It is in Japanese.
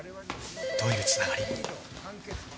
どういう繋がり？